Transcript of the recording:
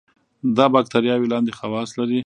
دا باکتریاوې لاندې خواص لري.